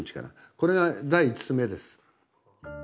これが第１通目です。